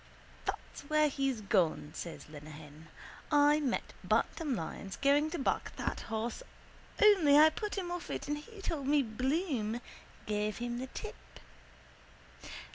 —That's where he's gone, says Lenehan. I met Bantam Lyons going to back that horse only I put him off it and he told me Bloom gave him the tip.